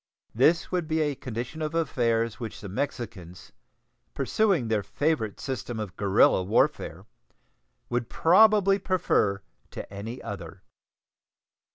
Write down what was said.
This would be a condition of affairs which the Mexicans, pursuing their favorite system of guerrilla warfare, would probably prefer to any other.